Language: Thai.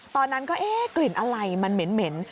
ตอนนั้นก็เอ๊ะกลิ่นอะไรมันเหม็น